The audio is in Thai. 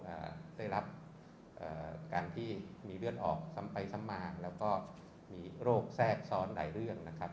ได้รับเอ่อการที่มีเลือดออกซ้ำไปซ้ำมาแล้วก็มีโรคแทรกซ้อนหลายเรื่องนะครับ